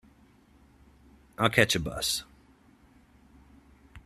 I'll catch a bus.